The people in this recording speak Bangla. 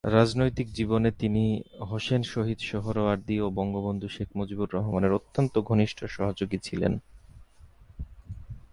রাজনৈতিক জীবনে তিনি হোসেন শহীদ সোহরাওয়ার্দী ও বঙ্গবন্ধু শেখ মুজিবুর রহমানের অত্যন্ত ঘনিষ্ঠ সহযোগী ছিলেন।